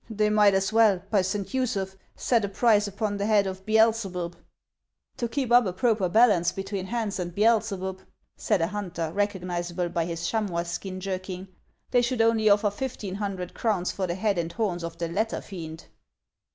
"They might as well, by Saint Usuph, set a price itpon the head of Beelzebub !"" To keep up a proper balance between Hans and Beel zebub," said a hunter, recognizable by his chamois skin jerkin, " they should only offer fifteen hundred crowns for the head and horns of the latter fiend."